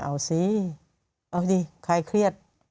เอาสิเอาดิใครเครียด